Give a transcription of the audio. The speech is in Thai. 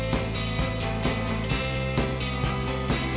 สวัสดีครับสวัสดีครับ